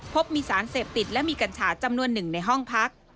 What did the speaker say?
พบมีสารเสพติดและมีกัญชาจำนวนหนึ่งในห้องพัก